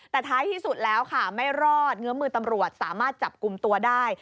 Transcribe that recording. แต่ท้ายที่สุดแล้วค่ะไม่รอดเงื้อมือตำรวจสามารถจับกลุ่มตัวได้